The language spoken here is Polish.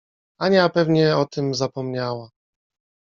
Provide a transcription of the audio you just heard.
Ania pewnie o tym zapomniała.